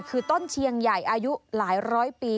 คือต้นเชียงใหญ่อายุหลายร้อยปี